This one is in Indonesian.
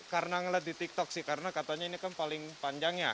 karena ngeliat di tiktok sih karena katanya ini kan paling panjang ya